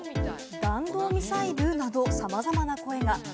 弾道ミサイル？など、さまざまな声が。